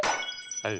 はい。